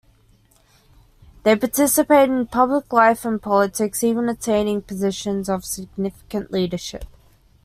They participated in public life and politics, even attaining positions of significant leadership.